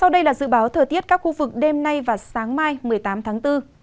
sau đây là dự báo thời tiết các khu vực đêm nay và sáng mai một mươi tám tháng bốn